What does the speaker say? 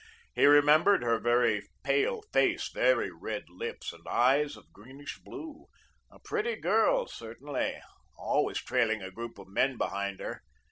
He remembered her very pale face, very red lips and eyes of greenish blue, a pretty girl certainly, always trailing a group of men behind her.